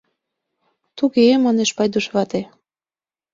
— Туге, — манеш Пайдуш вате.